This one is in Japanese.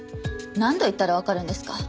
何度言ったらわかるんですか？